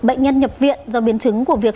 bệnh nhân nhập viện do biến chứng của việc